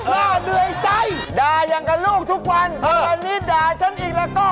น่าเหนื่อยใจด่าอย่างกับลูกทุกวันถ้าวันนี้ด่าฉันอีกแล้วก็